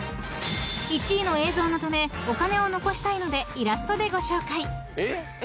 ［１位の映像のためお金を残したいのでイラストでご紹介］